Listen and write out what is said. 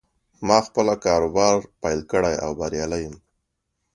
ما خپله کاروبار پیل کړې او بریالی یم